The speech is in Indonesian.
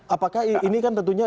apakah ini kan tentunya